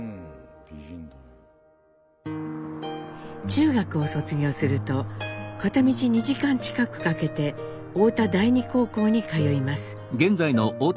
中学を卒業すると片道２時間近くかけて太田第二高校に通います。